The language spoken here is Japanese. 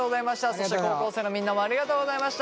そして高校生のみんなもありがとうございました